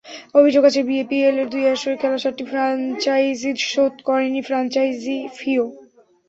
অভিযোগ আছে, বিপিএলের দুই আসরে খেলা সাতটি ফ্র্যাঞ্চাইজি শোধ করেনি ফ্র্যাঞ্চাইজি ফিও।